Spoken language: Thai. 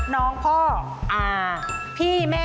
น้องพ่อ